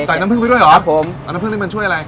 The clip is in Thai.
ใส่น้ำเพื้อไปด้วยเหรอเอาน้ำเพื้อด้วยมันช่วยอะไร